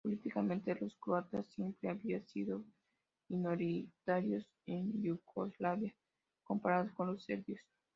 Políticamente, los croatas siempre habían sido minoritarios en Yugoslavia comparados con los serbios.